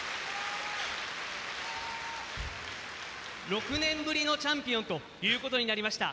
６年ぶりのチャンピオンということになりました。